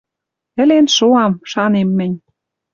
Ӹлен шоам, шанем мӹнь.